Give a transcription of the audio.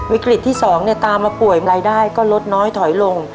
วิกฤตที่๒ตามมาป่วยรายได้ก็ลดน้อยถอยลง